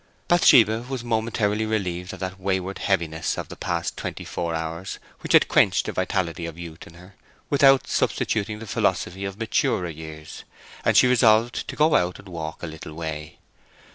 Bathsheba was momentarily relieved of that wayward heaviness of the past twenty four hours which had quenched the vitality of youth in her without substituting the philosophy of maturer years, and she resolved to go out and walk a little way.